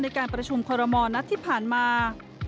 ในการประชุมคอรมอลนัดที่ผ่านมา